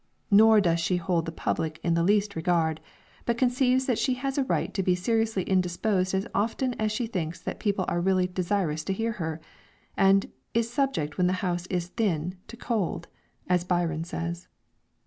Neither does she hold the public in the least regard, but conceives that she has a right to be seriously indisposed as often as she thinks that people are really desirous to hear her; and "is subject when the house is thin, to cold," as Byron says.